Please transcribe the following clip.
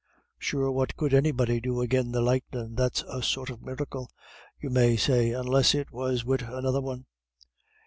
Sure what could anybody do agin the lightnin', that's a sort of miracle, you may say, unless it was wid another one?"